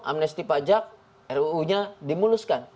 amnesti pajak ruu nya dimuluskan